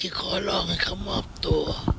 จะขอรองให้เขามอบโต